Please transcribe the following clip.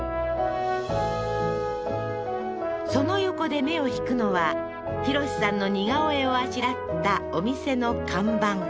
その横で目を引くのは浩さんの似顔絵をあしらったお店の看板